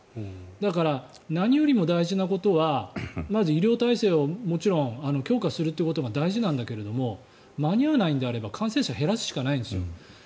だから何よりも大事なことはまず医療体制をもちろん強化するということが大事なんだけど間に合わないのであれば感染者を減らすしかないんです。